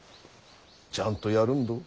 ちゃんとやるんど。